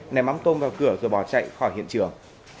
ném tôm vào cửa rồi bỏ chạy khỏi hiện trường